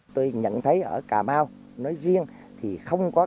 tôi nhận thấy ở cà mau nói riêng thì không có